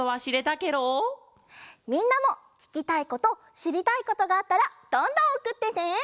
みんなもききたいことしりたいことがあったらどんどんおくってね！